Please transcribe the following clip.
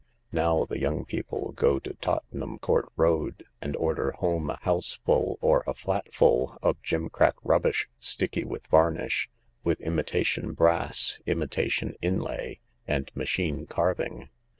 Now the young people go to Tottenham Court Road and order home a houseful — or a flatful — of gimcrack rubbish, sticky with varnish, with imitation brass, imitation inlay, and machine carving.